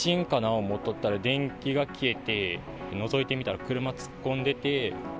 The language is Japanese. おもっとったら、電気が消えて、のぞいてみたら、車突っ込んでて。